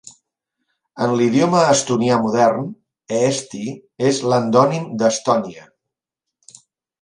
En l'idioma estonià modern, "'Eesti'" és l'endònim d''Estònia'.